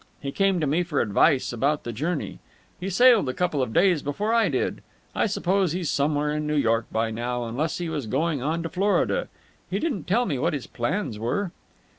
He came to me for advice about the journey. He sailed a couple of days before I did. I suppose he's somewhere in New York by now, unless he was going on to Florida. He didn't tell me what his plans were."